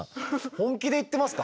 本気で言ってますか？